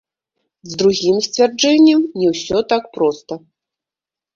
З другім сцвярджэннем не ўсё так проста.